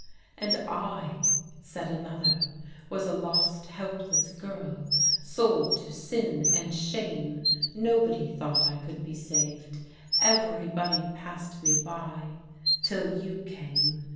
"And I," said another, "was a lost, helpless girl: sold to sin and shame, nobody thought I could be saved; every body passed me by till you came.